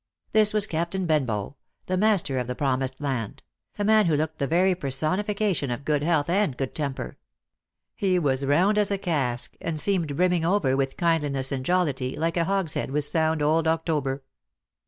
This was Captain Benbow, the master of the Promised Land, a man who looked the very personification of good health and good temper. He was round as a cask, and seemed brimming over with kindliness and jollity, like a hogshead with sound old October.